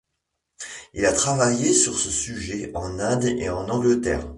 Il a travaillé sur ce sujet en Inde et en Angleterre.